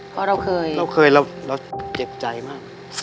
เพราะเราเคยเจ็บใจมาก